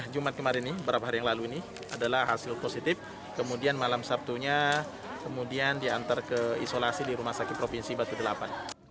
jumat kemarin ini beberapa hari yang lalu ini adalah hasil positif kemudian malam sabtunya kemudian diantar ke isolasi di rumah sakit provinsi batu delapan